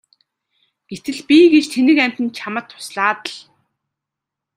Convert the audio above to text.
Гэтэл би гэж тэнэг амьтан чамд туслаад л!